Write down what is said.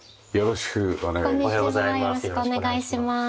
よろしくお願いします。